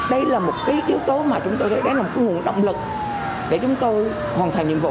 đây là một cái chữ tố mà chúng tôi đã làm nguồn động lực để chúng tôi hoàn thành nhiệm vụ